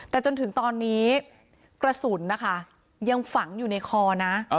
แต่จนถึงตอนนี้กระสุนนะคะยังฝังอยู่ในคอนะ